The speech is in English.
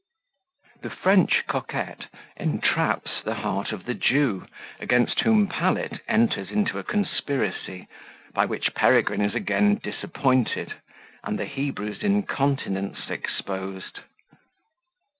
The French Coquette entraps the Heart of the Jew, against whom Pallet enters into a Conspiracy, by which Peregrine is again disappointed, and the Hebrew's Incontinence exposed.